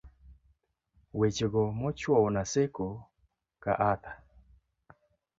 weche go mochuowo Naseko ka ather